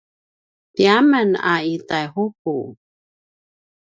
tiyamen a i Taihuku